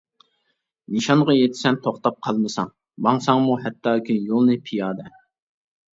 نىشانغا يىتىسەن توختاپ قالمىساڭ، ماڭساڭمۇ ھەتتاكى يولنى پىيادە.